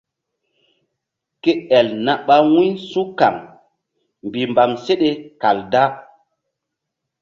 Ke el na ɓa wu̧y su̧kaŋ mbihmbam seɗe kal da.